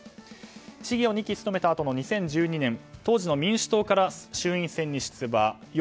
市議を２期務めたあとの２０１２年、当時の民主党から衆院選に出馬。